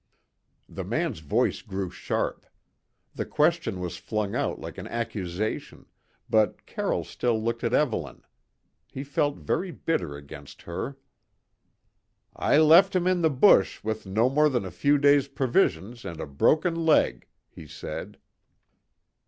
The man's voice grew sharp; the question was flung out like an accusation, but Carroll still looked at Evelyn. He felt very bitter against her. "I left him in the bush with no more than a few days' provisions and a broken leg," he said.